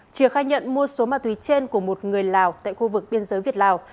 chừa khai nhận mua số ma túy trên của một người lào tại khu vực biên giới việt lào